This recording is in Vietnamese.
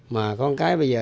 mà có một cái bây giờ